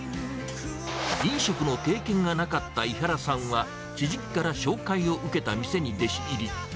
飲食の経験がなかった井原さんは、知人から紹介を受けた店に弟子入り。